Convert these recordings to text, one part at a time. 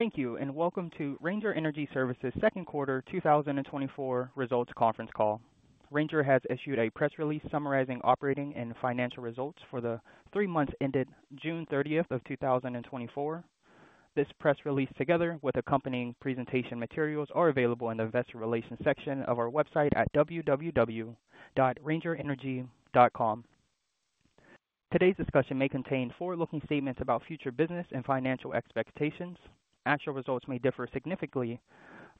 Thank you, and welcome to Ranger Energy Services' second quarter 2024 results conference call. Ranger has issued a press release summarizing operating and financial results for the three months ended June 30, 2024. This press release, together with accompanying presentation materials, are available in the Investor Relations section of our website at www.rangerenergy.com. Today's discussion may contain forward-looking statements about future business and financial expectations. Actual results may differ significantly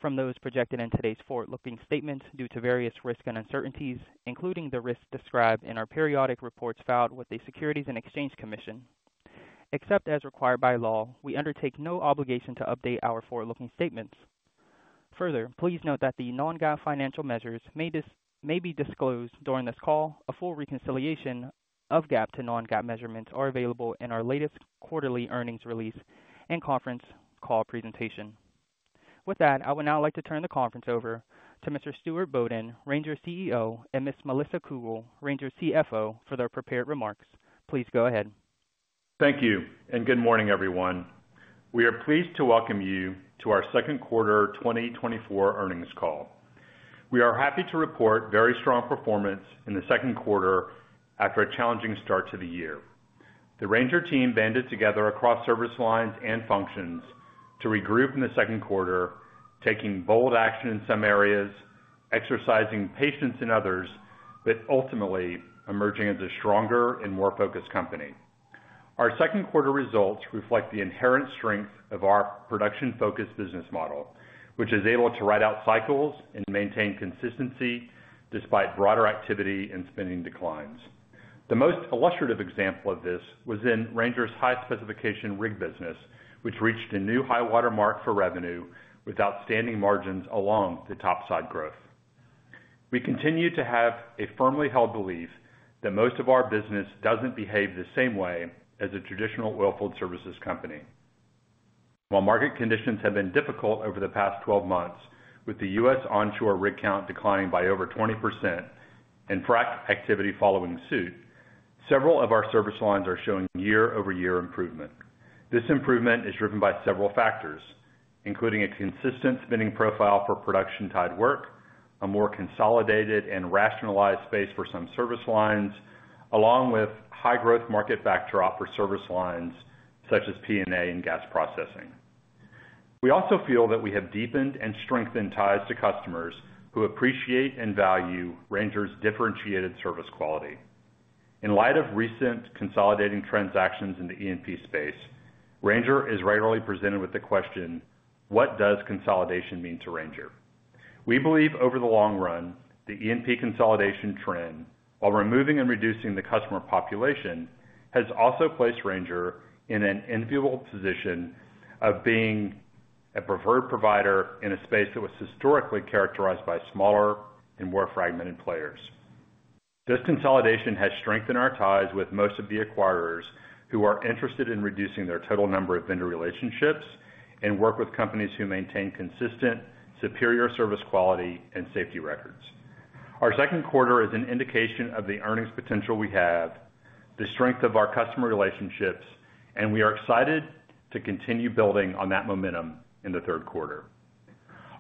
from those projected in today's forward-looking statements due to various risks and uncertainties, including the risks described in our periodic reports filed with the Securities and Exchange Commission. Except as required by law, we undertake no obligation to update our forward-looking statements. Further, please note that the non-GAAP financial measures may be disclosed during this call. A full reconciliation of GAAP to non-GAAP measurements are available in our latest quarterly earnings release and conference call presentation. With that, I would now like to turn the conference over to Mr. Stuart Bodden, Ranger CEO, and Ms. Melissa Cougle, Ranger CFO, for their prepared remarks. Please go ahead. Thank you, and good morning, everyone. We are pleased to welcome you to our second quarter 2024 earnings call. We are happy to report very strong performance in the second quarter after a challenging start to the year. The Ranger team banded together across service lines and functions to regroup in the second quarter, taking bold action in some areas, exercising patience in others, but ultimately emerging as a stronger and more focused company. Our second quarter results reflect the inherent strength of our production-focused business model, which is able to ride out cycles and maintain consistency despite broader activity and spending declines. The most illustrative example of this was in Ranger's high specification rig business, which reached a new high water mark for revenue with outstanding margins along the top side growth. We continue to have a firmly held belief that most of our business doesn't behave the same way as a traditional oilfield services company. While market conditions have been difficult over the past 12 months, with the U.S. onshore rig count declining by over 20% and frac activity following suit, several of our service lines are showing year-over-year improvement. This improvement is driven by several factors, including a consistent spending profile for production tied work, a more consolidated and rationalized space for some service lines, along with high growth market backdrop for service lines such as P&A and gas processing. We also feel that we have deepened and strengthened ties to customers who appreciate and value Ranger's differentiated service quality. In light of recent consolidating transactions in the E&P space, Ranger is regularly presented with the question, what does consolidation mean to Ranger? We believe over the long run, the E&P consolidation trend, while removing and reducing the customer population, has also placed Ranger in an enviable position of being a preferred provider in a space that was historically characterized by smaller and more fragmented players. This consolidation has strengthened our ties with most of the acquirers, who are interested in reducing their total number of vendor relationships and work with companies who maintain consistent, superior service, quality, and safety records. Our second quarter is an indication of the earnings potential we have, the strength of our customer relationships, and we are excited to continue building on that momentum in the third quarter.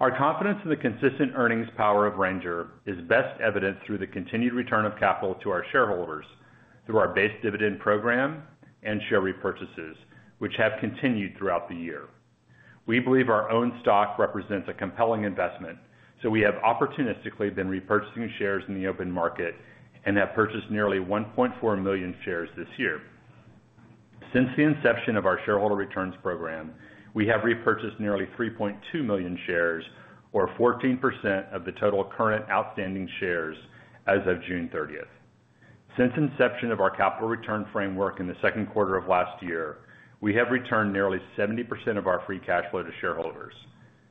Our confidence in the consistent earnings power of Ranger is best evidenced through the continued return of capital to our shareholders through our base dividend program and share repurchases, which have continued throughout the year. We believe our own stock represents a compelling investment, so we have opportunistically been repurchasing shares in the open market and have purchased nearly 1.4 million shares this year. Since the inception of our shareholder returns program, we have repurchased nearly 3.2 million shares, or 14% of the total current outstanding shares as of June 30th. Since inception of our capital return framework in the second quarter of last year, we have returned nearly 70% of our free cash flow to shareholders.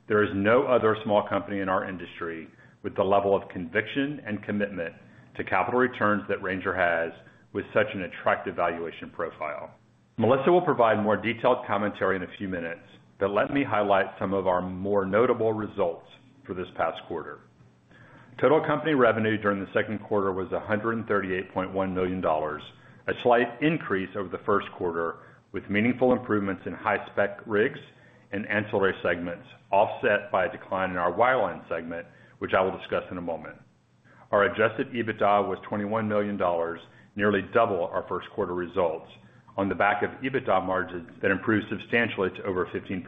There is no other small company in our industry with the level of conviction and commitment to capital returns that Ranger has with such an attractive valuation profile. Melissa will provide more detailed commentary in a few minutes, but let me highlight some of our more notable results for this past quarter. Total company revenue during the second quarter was $138.1 million, a slight increase over the first quarter, with meaningful improvements in high-spec rigs and ancillary segments, offset by a decline in our wireline segment, which I will discuss in a moment. Our adjusted EBITDA was $21 million, nearly double our first quarter results, on the back of EBITDA margins that improved substantially to over 15%,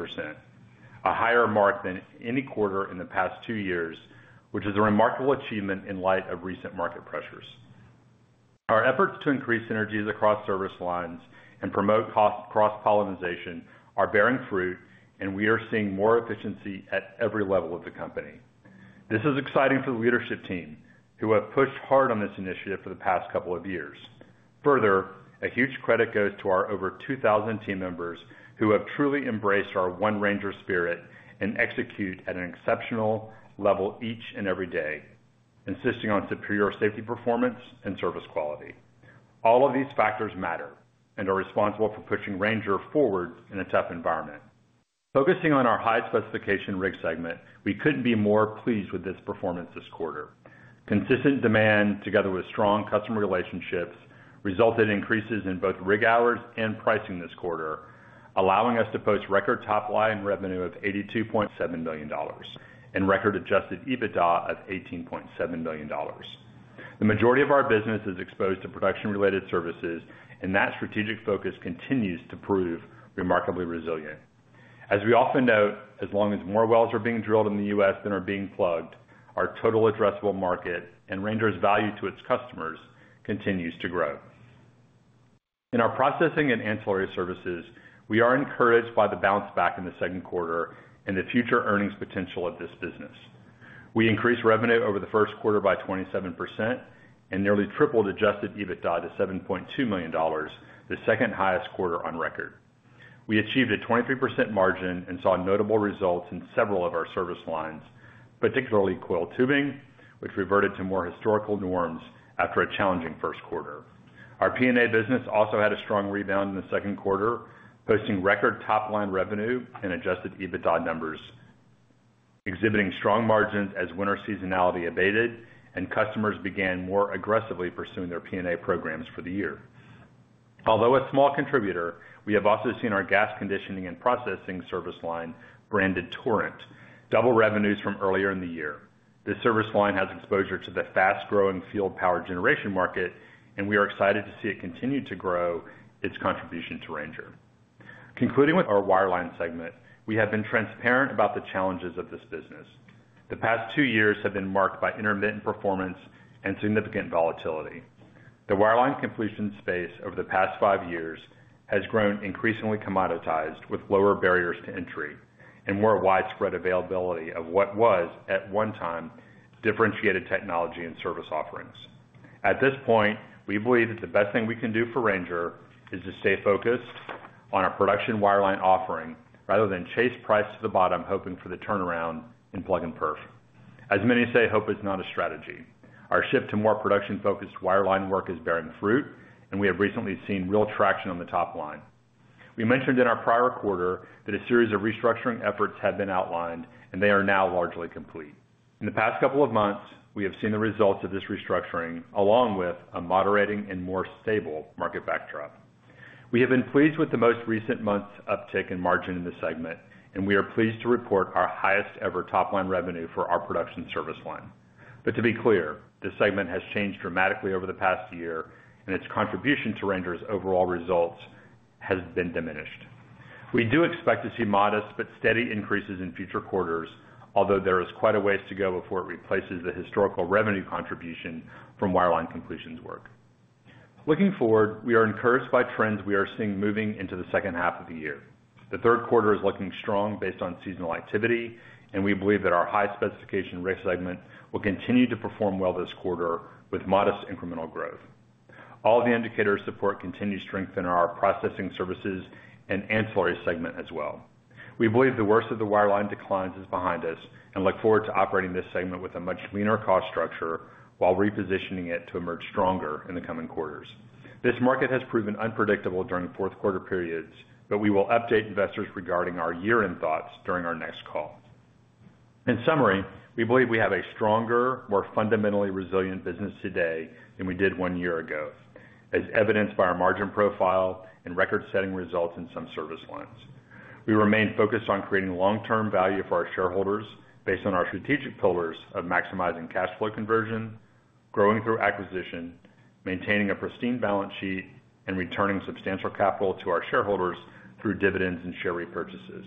a higher mark than any quarter in the past two years, which is a remarkable achievement in light of recent market pressures. Our efforts to increase synergies across service lines and promote cost cross-pollination are bearing fruit, and we are seeing more efficiency at every level of the company. This is exciting for the leadership team, who have pushed hard on this initiative for the past couple of years. Further, a huge credit goes to our over 2,000 team members, who have truly embraced our One Ranger spirit and execute at an exceptional level each and every day, insisting on superior safety, performance, and service quality. All of these factors matter and are responsible for pushing Ranger forward in a tough environment. Focusing on our high specification rig segment, we couldn't be more pleased with this performance this quarter. Consistent demand, together with strong customer relationships, resulted in increases in both rig hours and pricing this quarter, allowing us to post record top line revenue of $82.7 million and record adjusted EBITDA of $18.7 million. The majority of our business is exposed to production-related services, and that strategic focus continues to prove remarkably resilient. As we often note, as long as more wells are being drilled in the U.S. than are being plugged, our total addressable market and Ranger's value to its customers continues to grow. In our processing and ancillary services, we are encouraged by the bounce back in the second quarter and the future earnings potential of this business. We increased revenue over the first quarter by 27% and nearly tripled adjusted EBITDA to $7.2 million, the second highest quarter on record. We achieved a 23% margin and saw notable results in several of our service lines, particularly coil tubing, which reverted to more historical norms after a challenging first quarter. Our P&A business also had a strong rebound in the second quarter, posting record top-line revenue and adjusted EBITDA numbers, exhibiting strong margins as winter seasonality abated and customers began more aggressively pursuing their P&A programs for the year. Although a small contributor, we have also seen our gas conditioning and processing service line, branded Torrent, double revenues from earlier in the year. This service line has exposure to the fast-growing field power generation market, and we are excited to see it continue to grow its contribution to Ranger. Concluding with our wireline segment, we have been transparent about the challenges of this business. The past two years have been marked by intermittent performance and significant volatility. The wireline completion space over the past five years has grown increasingly commoditized, with lower barriers to entry and more widespread availability of what was, at one time, differentiated technology and service offerings. At this point, we believe that the best thing we can do for Ranger is to stay focused on our production wireline offering, rather than chase price to the bottom, hoping for the turnaround in plug and perf. As many say, hope is not a strategy. Our shift to more production-focused wireline work is bearing fruit, and we have recently seen real traction on the top line. We mentioned in our prior quarter that a series of restructuring efforts had been outlined, and they are now largely complete. In the past couple of months, we have seen the results of this restructuring, along with a moderating and more stable market backdrop. We have been pleased with the most recent months' uptick in margin in the segment, and we are pleased to report our highest-ever top-line revenue for our production service line. But to be clear, this segment has changed dramatically over the past year, and its contribution to Ranger's overall results has been diminished. We do expect to see modest but steady increases in future quarters, although there is quite a ways to go before it replaces the historical revenue contribution from wireline completions work. Looking forward, we are encouraged by trends we are seeing moving into the second half of the year. The third quarter is looking strong based on seasonal activity, and we believe that our high specification rig segment will continue to perform well this quarter with modest incremental growth. All the indicators support continued strength in our processing services and ancillary segment as well. We believe the worst of the wireline declines is behind us, and look forward to operating this segment with a much leaner cost structure while repositioning it to emerge stronger in the coming quarters. This market has proven unpredictable during fourth quarter periods, but we will update investors regarding our year-end thoughts during our next call. In summary, we believe we have a stronger, more fundamentally resilient business today than we did one year ago, as evidenced by our margin profile and record-setting results in some service lines. We remain focused on creating long-term value for our shareholders based on our strategic pillars of maximizing cash flow conversion, growing through acquisition, maintaining a pristine balance sheet, and returning substantial capital to our shareholders through dividends and share repurchases.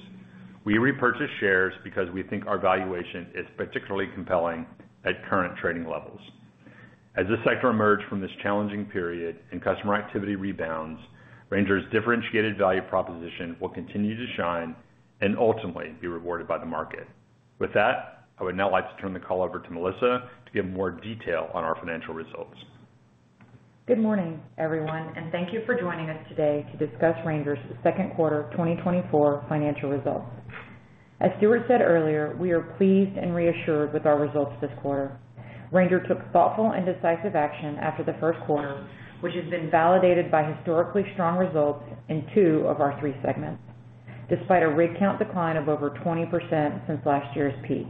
We repurchase shares because we think our valuation is particularly compelling at current trading levels. As this sector emerged from this challenging period and customer activity rebounds, Ranger's differentiated value proposition will continue to shine and ultimately be rewarded by the market. With that, I would now like to turn the call over to Melissa to give more detail on our financial results. Good morning, everyone, and thank you for joining us today to discuss Ranger's second quarter 2024 financial results. As Stuart said earlier, we are pleased and reassured with our results this quarter. Ranger took thoughtful and decisive action after the first quarter, which has been validated by historically strong results in two of our three segments, despite a rig count decline of over 20% since last year's peak.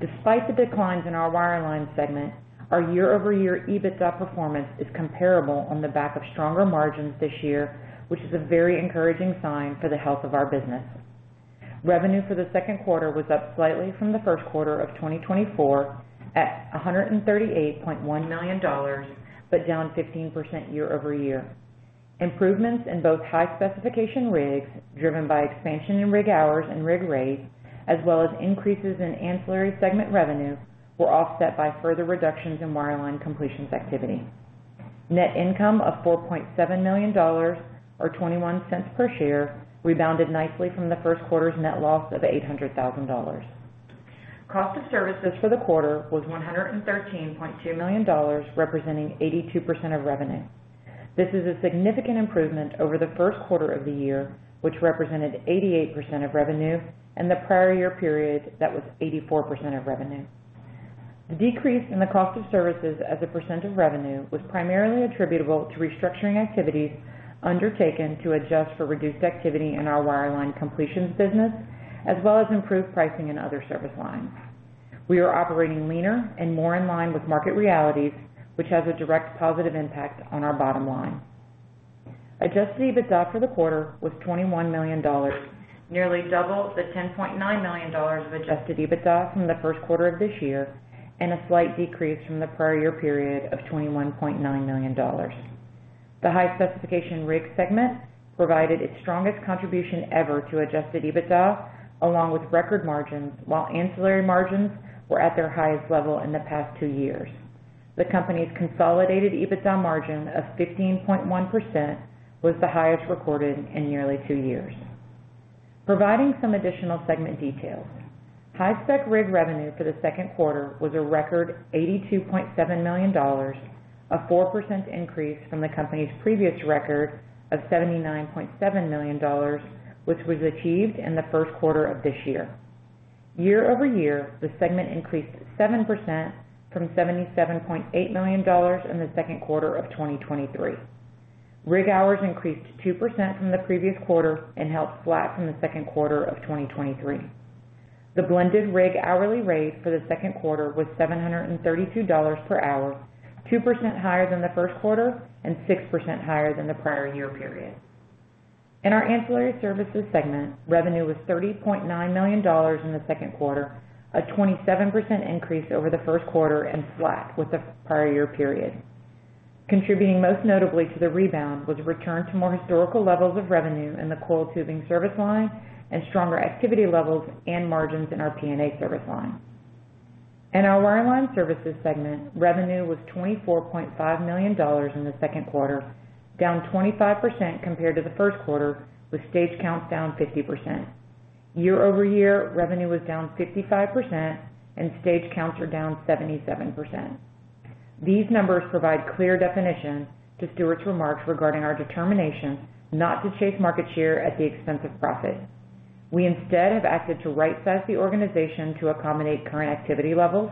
Despite the declines in our wireline segment, our year-over-year EBITDA performance is comparable on the back of stronger margins this year, which is a very encouraging sign for the health of our business. Revenue for the second quarter was up slightly from the first quarter of 2024, at $138.1 million, but down 15% year-over-year. Improvements in both high specification rigs, driven by expansion in rig hours and rig rates, as well as increases in ancillary segment revenue, were offset by further reductions in wireline completions activity. Net income of $4.7 million, or $0.21 per share, rebounded nicely from the first quarter's net loss of $800,000. Cost of services for the quarter was $113.2 million, representing 82% of revenue. This is a significant improvement over the first quarter of the year, which represented 88% of revenue, and the prior year period, that was 84% of revenue. The decrease in the cost of services as a percent of revenue was primarily attributable to restructuring activities undertaken to adjust for reduced activity in our wireline completions business, as well as improved pricing in other service lines. We are operating leaner and more in line with market realities, which has a direct positive impact on our bottom line. Adjusted EBITDA for the quarter was $21 million, nearly double the $10.9 million of adjusted EBITDA from the first quarter of this year, and a slight decrease from the prior year period of $21.9 million. The high specification rig segment provided its strongest contribution ever to adjusted EBITDA, along with record margins, while ancillary margins were at their highest level in the past two years. The company's consolidated EBITDA margin of 15.1% was the highest recorded in nearly two years. Providing some additional segment details. High-spec rig revenue for the second quarter was a record $82.7 million, a 4% increase from the company's previous record of $79.7 million, which was achieved in the first quarter of this year. Year-over-year, the segment increased 7% from $77.8 million in the second quarter of 2023. Rig hours increased 2% from the previous quarter and held flat from the second quarter of 2023. The blended rig hourly rate for the second quarter was $732 per hour, 2% higher than the first quarter and 6% higher than the prior year period. In our ancillary services segment, revenue was $30.9 million in the second quarter, a 27% increase over the first quarter and flat with the prior year period. Contributing most notably to the rebound was a return to more historical levels of revenue in the coiled tubing service line and stronger activity levels and margins in our P&A service line. In our wireline services segment, revenue was $24.5 million in the second quarter, down 25% compared to the first quarter, with stage counts down 50%. Year-over-year, revenue was down 55% and stage counts were down 77%. These numbers provide clear definition to Stuart's remarks regarding our determination not to chase market share at the expense of profit. We instead have acted to rightsize the organization to accommodate current activity levels.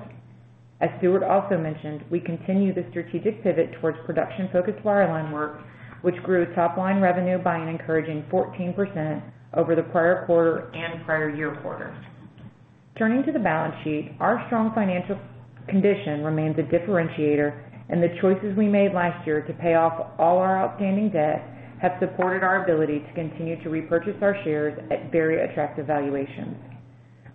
As Stuart also mentioned, we continue the strategic pivot towards production-focused wireline work, which grew top-line revenue by an encouraging 14% over the prior quarter and prior-year quarter. Turning to the balance sheet, our strong financial condition remains a differentiator, and the choices we made last year to pay off all our outstanding debt have supported our ability to continue to repurchase our shares at very attractive valuations.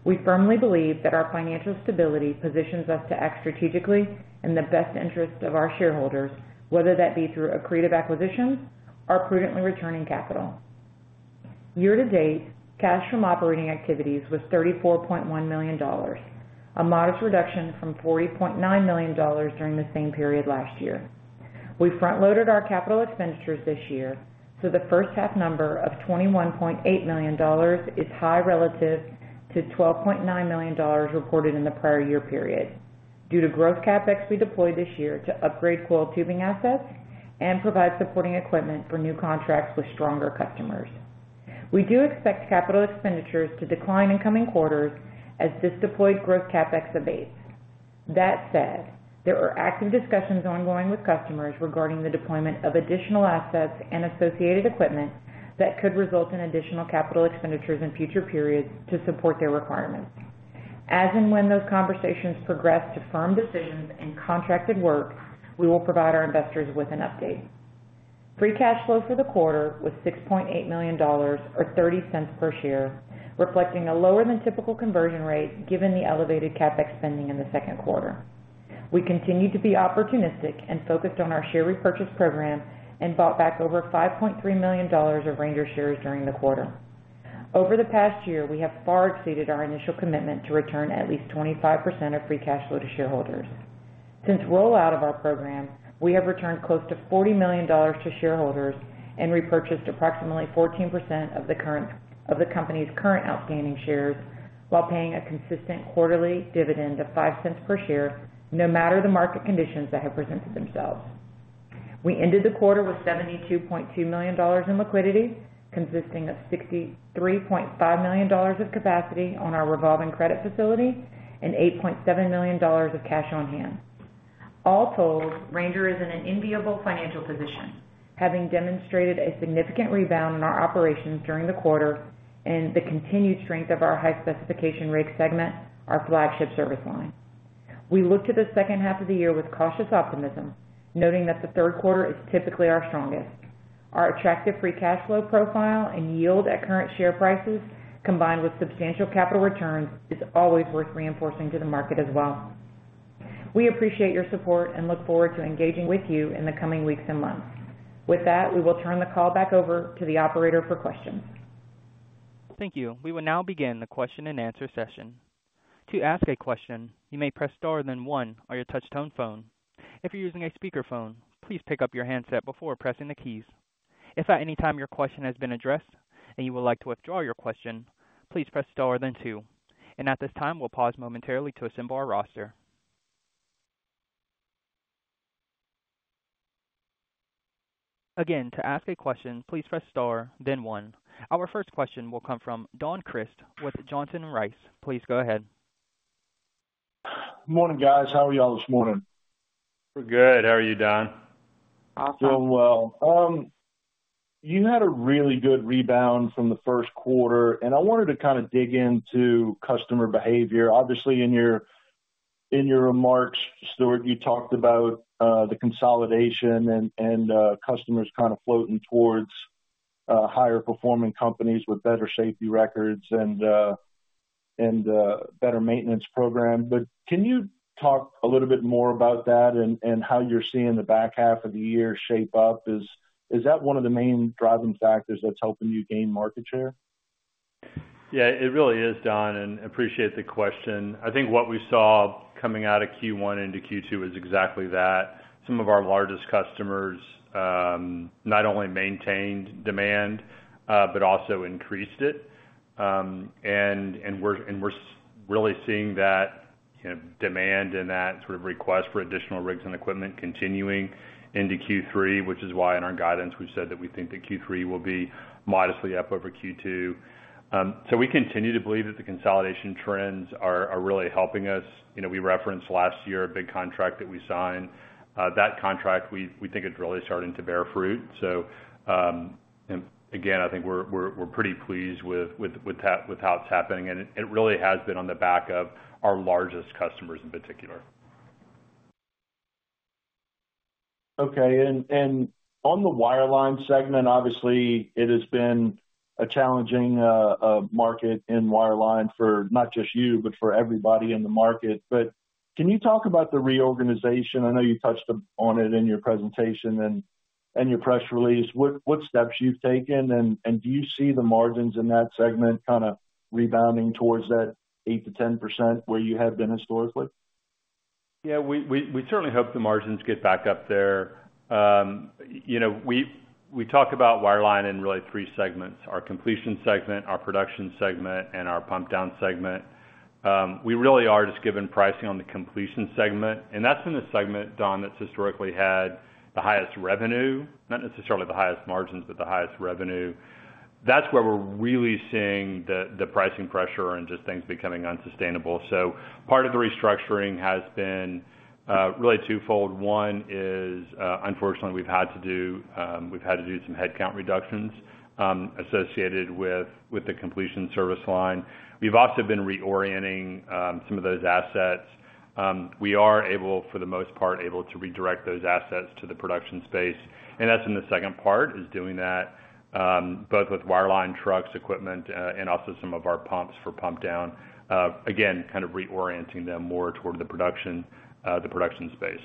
We firmly believe that our financial stability positions us to act strategically in the best interest of our shareholders, whether that be through accretive acquisitions or prudently returning capital. Year to date, cash from operating activities was $34.1 million, a modest reduction from $40.9 million during the same period last year. We front loaded our capital expenditures this year, so the first half number of $21.8 million is high relative to $12.9 million reported in the prior year period. Due to growth CapEx we deployed this year to upgrade coil tubing assets and provide supporting equipment for new contracts with stronger customers. We do expect capital expenditures to decline in coming quarters as this deployed growth CapEx abates. That said, there are active discussions ongoing with customers regarding the deployment of additional assets and associated equipment that could result in additional capital expenditures in future periods to support their requirements. As and when those conversations progress to firm decisions and contracted work, we will provide our investors with an update. Free cash flow for the quarter was $6.8 million, or $0.30 per share, reflecting a lower than typical conversion rate given the elevated CapEx spending in the second quarter. We continue to be opportunistic and focused on our share repurchase program and bought back over $5.3 million of Ranger shares during the quarter. Over the past year, we have far exceeded our initial commitment to return at least 25% of free cash flow to shareholders. Since rollout of our program, we have returned close to $40 million to shareholders and repurchased approximately 14% of the company's current outstanding shares, while paying a consistent quarterly dividend of $0.05 per share, no matter the market conditions that have presented themselves. We ended the quarter with $72.2 million in liquidity, consisting of $63.5 million of capacity on our revolving credit facility and $8.7 million of cash on hand. All told, Ranger is in an enviable financial position, having demonstrated a significant rebound in our operations during the quarter and the continued strength of our high specification rig segment, our flagship service line. We look to the second half of the year with cautious optimism, noting that the third quarter is typically our strongest. Our attractive free cash flow profile and yield at current share prices, combined with substantial capital returns, is always worth reinforcing to the market as well. We appreciate your support and look forward to engaging with you in the coming weeks and months. With that, we will turn the call back over to the operator for questions. Thank you. We will now begin the question-and-answer session. To ask a question, you may press star, then one on your touchtone phone. If you're using a speakerphone, please pick up your handset before pressing the keys. If at any time your question has been addressed and you would like to withdraw your question, please press star then two. At this time, we'll pause momentarily to assemble our roster. Again, to ask a question, please press star then one. Our first question will come from Don Crist with Johnson Rice. Please go ahead. Good morning, guys. How are you all this morning? We're good. How are you, Don? Doing well. You had a really good rebound from the first quarter, and I wanted to kind of dig into customer behavior. Obviously, in your remarks, Stuart, you talked about the consolidation and customers kind of floating towards higher performing companies with better safety records and better maintenance program. But can you talk a little bit more about that and how you're seeing the back half of the year shape up? Is that one of the main driving factors that's helping you gain market share? Yeah, it really is, Don, and appreciate the question. I think what we saw coming out of Q1 into Q2 is exactly that. Some of our largest customers not only maintained demand, but also increased it. And we're really seeing that, you know, demand and that sort of request for additional rigs and equipment continuing into Q3, which is why, in our guidance, we've said that we think that Q3 will be modestly up over Q2. So we continue to believe that the consolidation trends are really helping us. You know, we referenced last year, a big contract that we signed. That contract, we think is really starting to bear fruit. So, and again, I think we're pretty pleased with how it's happening, and it really has been on the back of our largest customers in particular. Okay. And on the wireline segment, obviously, it has been a challenging market in wireline for not just you, but for everybody in the market. But can you talk about the reorganization? I know you touched on it in your presentation and your press release. What steps you've taken, and do you see the margins in that segment kind of rebounding towards that 8%-10% where you have been historically? Yeah, we certainly hope the margins get back up there. You know, we talk about wireline in really three segments, our completion segment, our production segment, and our pump down segment. We really are just given pricing on the completion segment, and that's been the segment, Don, that's historically had the highest revenue, not necessarily the highest margins, but the highest revenue. That's where we're really seeing the pricing pressure and just things becoming unsustainable. So part of the restructuring has been really twofold. One is, unfortunately, we've had to do some headcount reductions associated with the completion service line. We've also been reorienting some of those assets. We are able, for the most part, able to redirect those assets to the production space, and that's in the second part, is doing that, both with wireline trucks, equipment, and also some of our pumps for pump down. Again, kind of reorienting them more toward the production, the production space.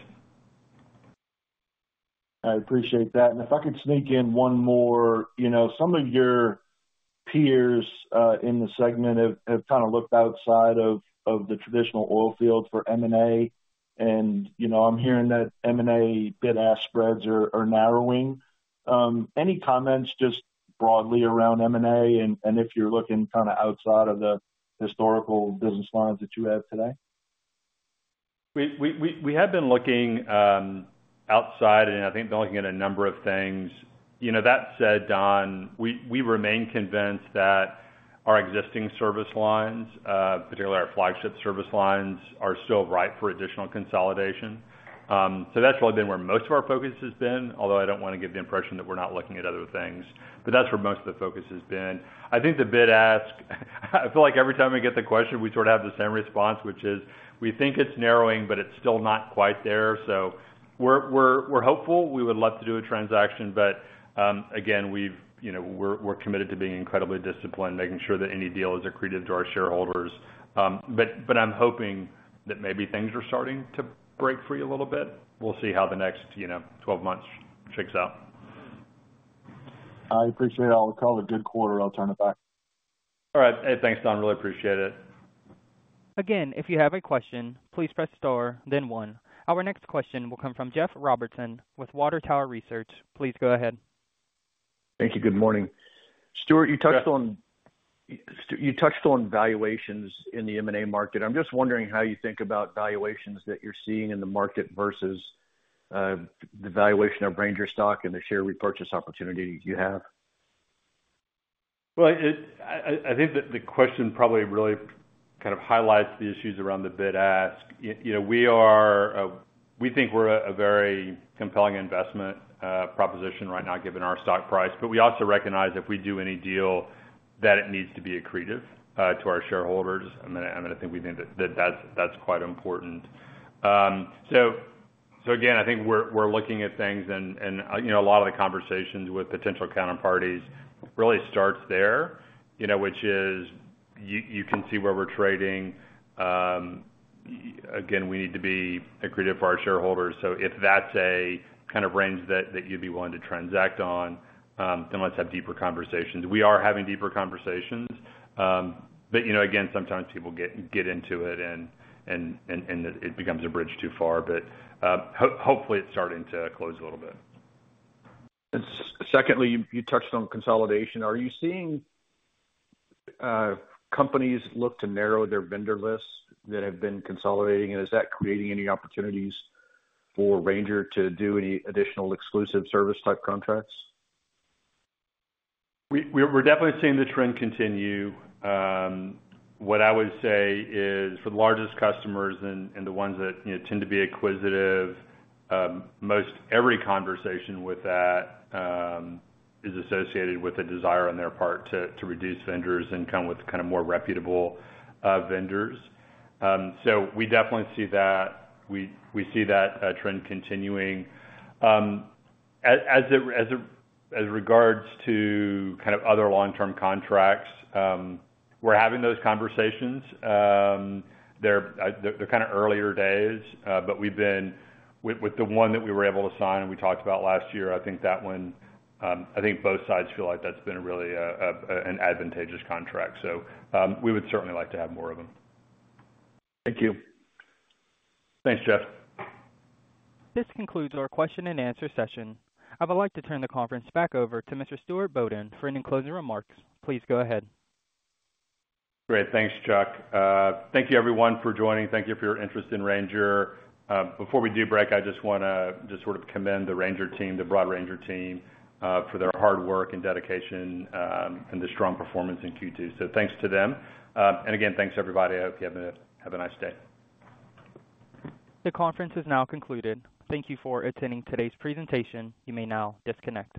I appreciate that. If I could sneak in one more. You know, some of your peers in the segment have kind of looked outside of the traditional oil field for M&A, and, you know, I'm hearing that M&A bid-ask spreads are narrowing. Any comments, just broadly around M&A and if you're looking kind of outside of the historical business lines that you have today? We have been looking outside, and I think looking at a number of things. You know, that said, Don, we remain convinced that our existing service lines, particularly our flagship service lines, are still ripe for additional consolidation. So that's really been where most of our focus has been, although I don't wanna give the impression that we're not looking at other things, but that's where most of the focus has been. I think the bid-ask, I feel like every time we get the question, we sort of have the same response, which is we think it's narrowing, but it's still not quite there. So we're hopeful. We would love to do a transaction, but, again, we've, you know, we're committed to being incredibly disciplined, making sure that any deals are accretive to our shareholders. But I'm hoping that maybe things are starting to break free a little bit. We'll see how the next, you know, 12 months shakes out. I appreciate it. I'll call it a good quarter. I'll turn it back. All right. Hey, thanks, Don. Really appreciate it. Again, if you have a question, please press star then one. Our next question will come from Jeff Robertson with Water Tower Research. Please go ahead. Thank you. Good morning. Stuart, you touched on. Yeah. You touched on valuations in the M&A market. I'm just wondering how you think about valuations that you're seeing in the market versus the valuation of Ranger stock and the share repurchase opportunity you have? Well, I think that the question probably really kind of highlights the issues around the bid-ask. You know, we are. We think we're a very compelling investment proposition right now, given our stock price, but we also recognize if we do any deal, that it needs to be accretive to our shareholders. And then I think we think that that's quite important. So again, I think we're looking at things and you know, a lot of the conversations with potential counterparties really starts there, you know, which is you can see where we're trading. Again, we need to be accretive for our shareholders. So if that's a kind of range that you'd be willing to transact on, then let's have deeper conversations. We are having deeper conversations. But you know, again, sometimes people get into it and it becomes a bridge too far. But hopefully, it's starting to close a little bit. Secondly, you touched on consolidation. Are you seeing companies look to narrow their vendor lists that have been consolidating, and is that creating any opportunities for Ranger to do any additional exclusive service type contracts? We're definitely seeing the trend continue. What I would say is, for the largest customers and the ones that, you know, tend to be acquisitive, most every conversation with that is associated with a desire on their part to reduce vendors and come with kind of more reputable vendors. So we definitely see that. We see that trend continuing. As regards to kind of other long-term contracts, we're having those conversations. They're kind of early days, but we've been with the one that we were able to sign and we talked about last year, I think that one, I think both sides feel like that's been a really advantageous contract, so, we would certainly like to have more of them. Thank you. Thanks, Jeff. This concludes our question-and-answer session. I would like to turn the conference back over to Mr. Stuart Bodden for any closing remarks. Please go ahead. Great. Thanks, Chuck. Thank you everyone for joining. Thank you for your interest in Ranger. Before we do break, I just wanna just sort of commend the Ranger team, the Broad Ranger team, for their hard work and dedication, and the strong performance in Q2. So thanks to them. And again, thanks, everybody. I hope you have a nice day. The conference is now concluded. Thank you for attending today's presentation. You may now disconnect.